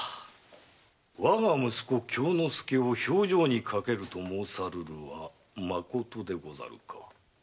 我が息子・京之介を評定に掛けると申さるるはまことでござるか？